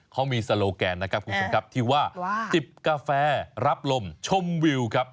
เขามีโซโลแกนนะครับคุณผู้ชมครับที่ว่าจิบกาแฟรับลมชมวิวครับ